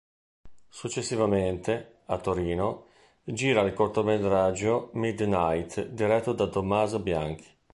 Successivamente, a Torino, gira il cortometraggio "Midnight", diretto da Tommaso Bianchi.